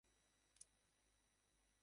ইউহাওয়া দেয়াল ধরে ধরে সামনে এগিয়ে চলে।